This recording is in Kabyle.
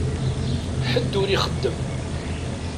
Ḥedd ur ixeddem.